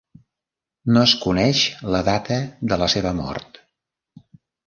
No es coneix la data de la seva mort.